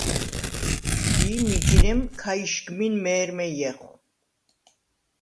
ი მიჯნე̄მ ქა იშგმინ მე̄რმე ჲეხვ.